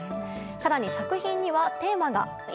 更に作品にはテーマが。